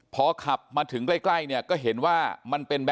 พอขับมาถึงใกล้เนี่ยก็เห็นว่ามันเป็น